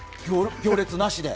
行列なしで。